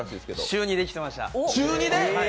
週２で来てました。